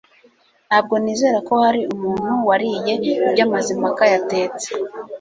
Ntabwo nizera ko hari umuntu wariye ibyo Mazimpaka yatetse